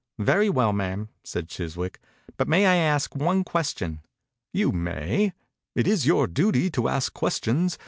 "Very well, mam," said Chis wick, "but may 1 ask one ques tion?" « You may. It is your duty to ask questions.